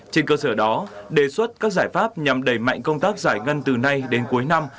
trên cơ sở đó đề xuất các giải pháp nhằm đẩy mạnh công tác giải ngân từ nay đến cuối năm